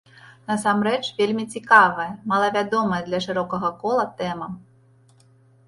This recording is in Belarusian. Насамрэч вельмі цікавая, малавядомая для шырокага кола тэма.